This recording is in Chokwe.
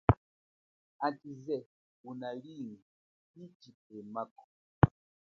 Achize unalinga hi chipemako.